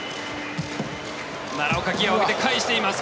奈良岡、ギアを上げて返しています。